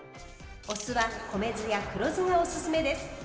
お酢は米酢や黒酢がおすすめです。